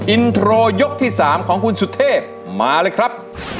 อินโทรยกที่๓ของคุณสุเทพมาเลยครับ